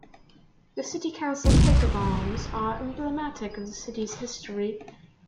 The city council's coat of arms are emblematic of the city's history.